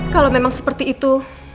kalau memang seperti itu